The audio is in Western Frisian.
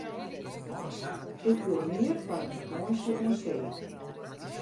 Ik fiel mear foar in fakânsje oan see.